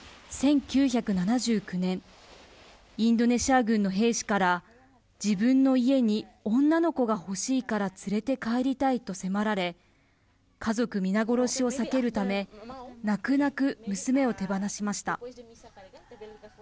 １９７９年インドネシア軍の兵士から自分の家に女の子が欲しいから連れて帰りたいと迫られ家族皆殺しを避けるため泣く泣く、娘を手放しました。